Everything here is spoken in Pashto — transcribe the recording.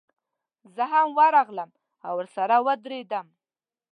زه هم ورغلم او ورسره ودرېدم.